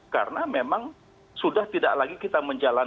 karena memang sudah tidak lagi kita menjalankan